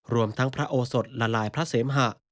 รวมทั้งพระโอสดละลายพระเสมหะ